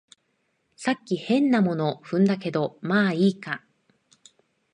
さっき変なもの踏んだけど、まあいいか